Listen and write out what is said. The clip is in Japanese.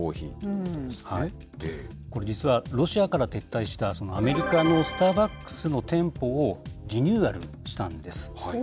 これ、実はロシアから撤退したアメリカのスターバックスの店舗をリニューアルしたんです。